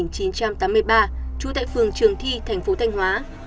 chú tại phường trường thi tp thanh hóa